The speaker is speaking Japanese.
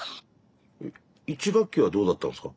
１学期はどうだったんですか？